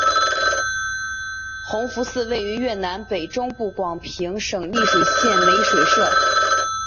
弘福寺位于越南北中部广平省丽水县美水社。